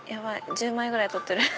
１０枚ぐらい撮ってる。